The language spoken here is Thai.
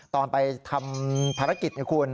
ตอนไปทำภารกิจนะคุณ